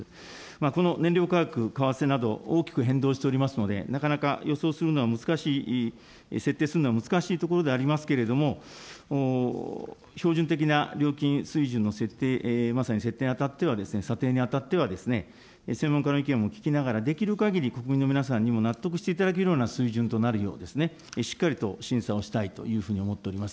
この燃料価格、為替など、大きく変動しておりますので、なかなか予想するのは難しい、設定するのは難しいところではありますけれども、標準的な料金水準の設定、まさに設定にあたっては、査定にあたってはですね、専門家の意見も聞きながら、できるかぎり国民の皆さんにも納得していただけるような水準となるよう、しっかりと審査をしたいというふうに思っております。